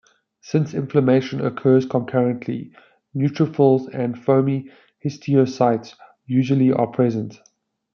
Since inflammation occurs concurrently, neutrophils and foamy histiocytes usually are present.